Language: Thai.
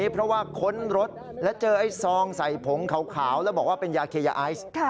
เพราะว่าค้นรถแล้วเจอไอ้ซองใส่ผงขาวแล้วบอกว่าเป็นยาเคยาไอซ์